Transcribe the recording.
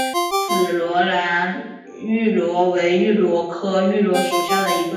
紫萝兰芋螺为芋螺科芋螺属下的一个种。